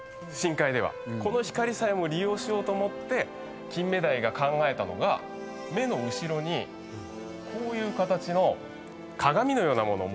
この光さえも利用しようと思ってキンメダイが考えたのが目の後ろにこういう形の鏡のような物を持ったんですね。